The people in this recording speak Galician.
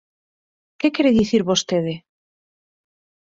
Que quere dicir vostede?